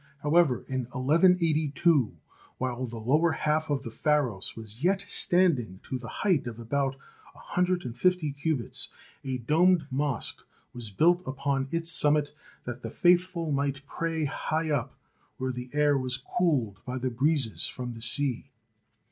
However, in 1182, while the lower half of the Pharos was yet stand ing to the height of about one hundred and fifty cubits, a domed mosque was built upon its summit that the Faithful might pray high up where the air was cooled by the breezes from the sea.